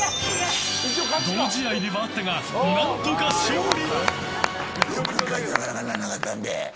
泥仕合ではあったが何とか勝利！